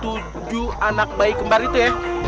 tujuh anak bayi kembar itu ya